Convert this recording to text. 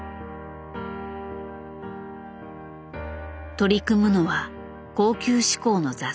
取り組むのは高級志向の雑誌。